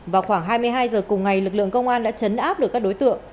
vào khoảng hai mươi hai giờ cùng ngày lực lượng công an đã chấn áp được các đối tượng